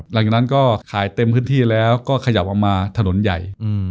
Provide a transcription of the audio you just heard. หลังจากนั้นก็ขายเต็มพื้นที่แล้วก็ขยับออกมาถนนใหญ่